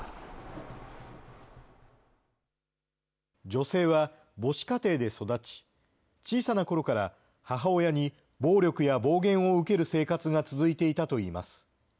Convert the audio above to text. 女性は、母子家庭で育ち、小さなころから母親に、暴力や暴言を受ける生活が続いていたといいます。